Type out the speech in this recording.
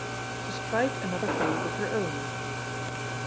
To strike another ball with your own.